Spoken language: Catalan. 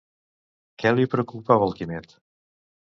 Què li preocupava el Quimet?